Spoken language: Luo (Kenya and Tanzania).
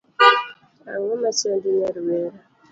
Ang'o machandi nyar were?